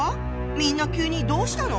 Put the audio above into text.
みんな急にどうしたの？